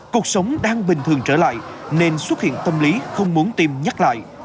cuộc sống đang bình thường trở lại nên xuất hiện tâm lý không muốn tiêm nhắc lại